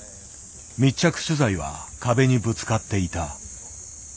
密着取材は壁にぶつかっていた。